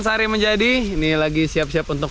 sehari menjadi ini lagi siap siap untuk